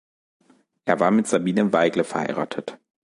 Er war mit Sabine Weigle verheiratet.